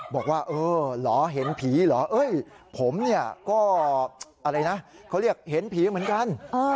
บอกว่าเออเหรอเห็นผีเหรอผมเนี่ยก็อะไรนะเขาเรียกเห็นผีเหมือนกัน